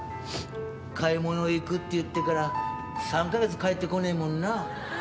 買い物行くって言ってから３カ月帰ってこねえもんな。